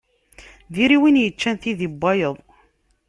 Diri win yeččan tidi n wayeḍ.